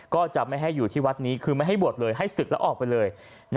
ก็จะไม่ให้อยู่ที่วัดนี้คือไม่ให้บวชเลยให้ศึกแล้วออกไปเลย